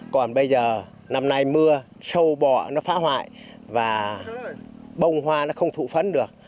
còn bây giờ năm nay mưa sâu bọ nó phá hoại và bông hoa nó không thụ phấn được